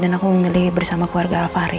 dan aku memilih bersama keluarga alvari